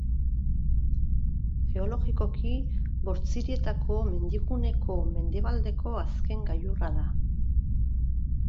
Geologikoki, Bortzirietako mendiguneko mendebaldeko azken gailurra da.